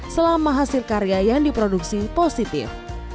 selama hasil karya yang diproduksi positif